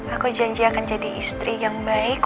aku janji akan jadi istri yang baik